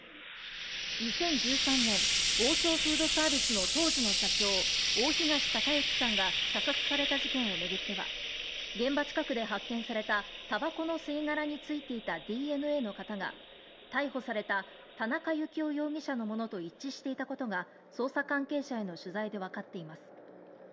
２０１３年、王将フードサービスの当時の社長、大東隆行さんが射殺された事件を巡っては、現場近くで発見されたたばこの吸い殻についていたＤＮＡの型が、逮捕された田中幸雄容疑者のものと一致していたことが、捜査関係者への取材で分かっています。